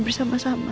terima kasih bu